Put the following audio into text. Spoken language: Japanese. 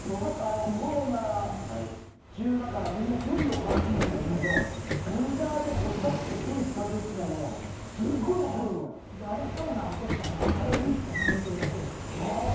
コロナ中だから、みんな距離を置かなくちゃいけないんだけどモニターで、スタッフが距離近づいていたのをトムが怒ったのは唯一あの映像だけよ。